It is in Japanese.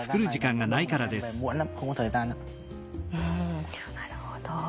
うんなるほど。